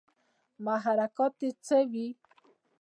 محرکات ئې څۀ وي